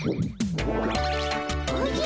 おじゃ。